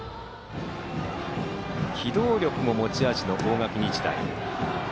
機動力も持ち味の大垣日大。